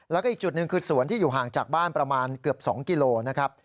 แล้วก็อีกจุดหนึ่งคือสวนที่อยู่ห่างจากบ้านประมาณเกือบ๒กิโลนะครับ